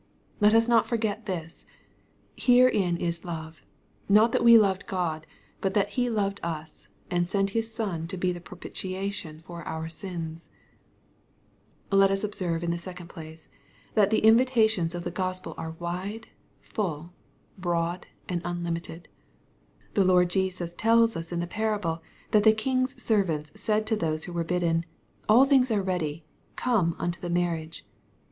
Let us not forget this :" Herein is love, not that we loved God, but that He loved us, and sent His Son to be the propitiation for our sins." (1 John iv. 10.) Let us observe, in the second place, that the invitations of the Oospel are wide, ftUl, broad, and unlimited. The Lord Jesas tells us in the parable, that the king's servants said to those who were bidden, " all things are ready : come unto the marriage."